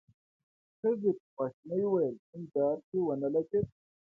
ښځې په خواشينۍ وويل: کوم درک يې ونه لګېد؟